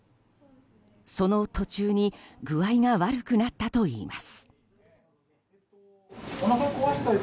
その途中に具合が悪くなったといいます。